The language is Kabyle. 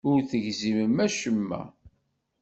Ur tegzimem acemma.